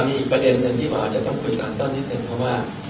มีประเด็นนั้นที่เราจะคุยสั้นตอนที่สุด